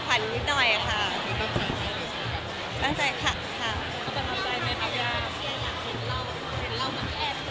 สวัสดีครับ